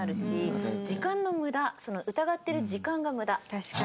確かに。